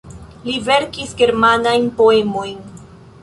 Li verkis germanajn poemojn.